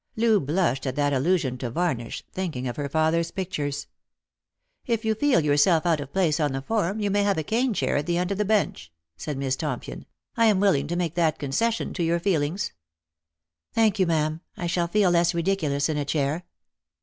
Loo blushed at that allusion to varnish, thinking of her father's pictures. " If you feel yourself out of place on the form, you may have a cane chair at the end of the bench," said Miss Tompion. " I am willing to make that concession to your feelings." " Thank you, ma'am. I shall feel less ridiculous in a chair."